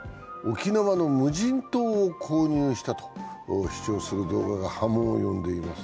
沖縄の無人島を購入したと主張する動画が波紋を呼んでいます。